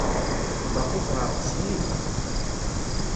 Baqi ffɣeɣ-d syin.